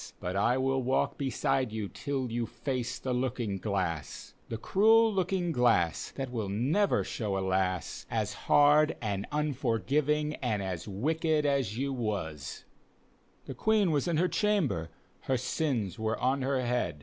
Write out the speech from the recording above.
But I will walk beside you till you face the looking glass. The cruel looking glass that will never show a lass. As hard and unforgiving and as wicked as you was I " The Queen was in her chamber, her sins were on her head.